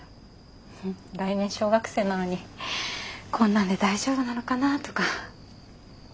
来年小学生なのにこんなんで大丈夫なのかなあとか。